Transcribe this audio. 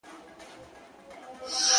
o چي وجود را سره زما او وزر ستا وي,